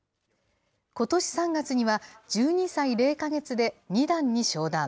ことし３月には１２歳０か月で二段に昇段。